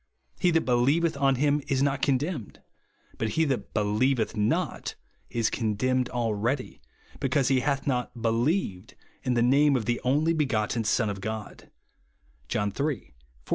He that believeth on him is not condemned : but he that believeth not is condemned already, because he hath not believed in the name of the only be gotten Son of God," (John iii. 14 18).